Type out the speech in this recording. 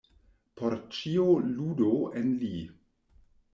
Por ĉio ludu en li.